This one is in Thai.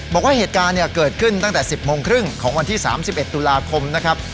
บอกว่าเหตุการณ์เกิดขึ้นตั้งแต่๑๐โมงครึ่งของวันที่๓๑ตุลาคมนะครับ